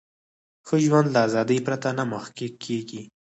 ښه ژوند له ازادۍ پرته نه محقق کیږي.